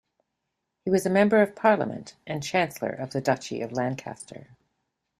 He was a member of parliament and Chancellor of the Duchy of Lancaster.